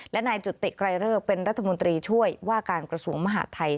และนายจุติไกรเลิกเป็นรัฐมนตรีช่วยว่าการกระทรวงมหาดไทย